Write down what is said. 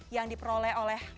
yang diperoleh oleh